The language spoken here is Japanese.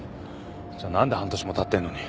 じゃあ何で半年もたってんのに。